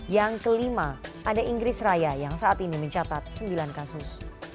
yang kelima ada inggris raya yang saat ini mencatat sembilan kasus